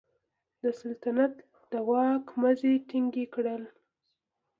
د سلطنت د واک مزي ټینګ کړل.